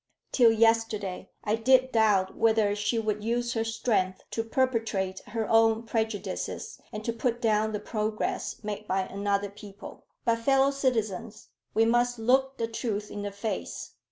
Till yesterday I did doubt whether she would use her strength to perpetuate her own prejudices and to put down the progress made by another people. "But, fellow citizens, we must look the truth in the face.